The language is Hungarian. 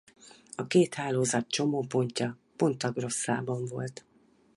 A két hálózat csomópontja Ponta Grossában volt.